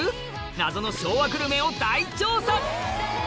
謎の昭和グルメを大調査！